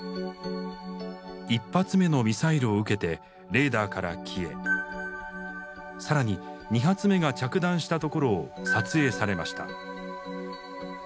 １発目のミサイルを受けてレーダーから消え更に２発目が着弾したところを撮影されました。